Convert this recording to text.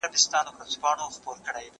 زه اوږده وخت بازار ته ځم وم؟!